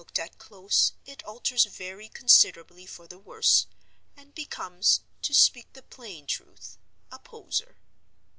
Looked at close, it alters very considerably for the worse, and becomes, to speak the plain truth—a Poser.